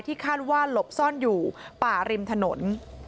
คาดว่าหลบซ่อนอยู่ป่าริมถนน